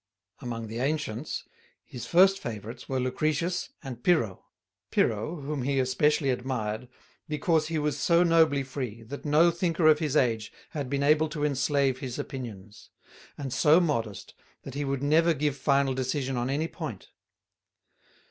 Among the ancients, his first favorites were Lucretius and Pyrrho: Pyrrho whom he especially admired, "because he was so nobly free, that no thinker of his age had been able to enslave his opinions; and so modest, that he would never give final decision on any point."